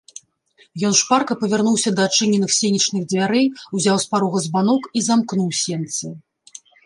Ён шпарка павярнуўся да адчыненых сенечных дзвярэй, узяў з парога збанок і замкнуў сенцы.